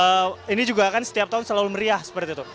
karena ini juga kan setiap tahun selalu meriah seperti itu